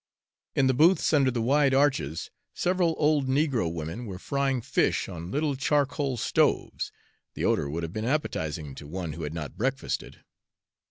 In the booths under the wide arches several old negro women were frying fish on little charcoal stoves the odor would have been appetizing to one who had not breakfasted.